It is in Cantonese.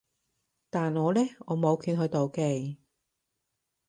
但我呢？我冇權去妒忌